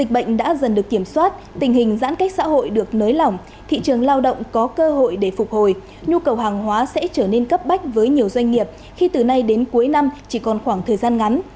trước khi các xã hội được nới lỏng thị trường lao động có cơ hội để phục hồi nhu cầu hàng hóa sẽ trở nên cấp bách với nhiều doanh nghiệp khi từ nay đến cuối năm chỉ còn khoảng thời gian ngắn